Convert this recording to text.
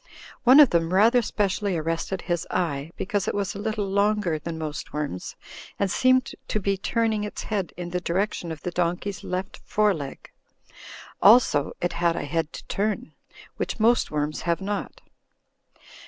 One of them rather specially arrested his eye, because it was a little longer than most worms and seemed to be turning its head in the direction of the donkey's left foreleg. Also, it had a head to turn, which most worms have not.